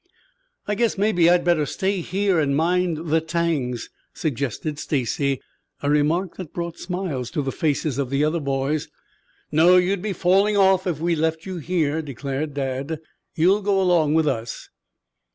"I guess maybe I'd better stay here and mind the 'tangs'," suggested Stacy, a remark that brought smiles to the faces of the other boys. "No, you'd be falling off if we left you here," declared Dad. "You'll go along with us."